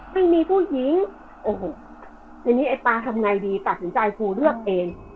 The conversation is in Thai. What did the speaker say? ไม่มีผู้หญิงโอ้โหในนี้ป่าทำไงดีตัดสินใจพูดเลือกเอง